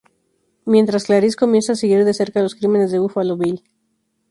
Mientras, Clarice comienza a seguir de cerca los crímenes de Buffalo Bill.